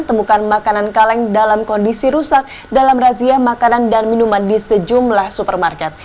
temukan makanan kaleng dalam kondisi rusak dalam razia makanan dan minuman di sejumlah supermarket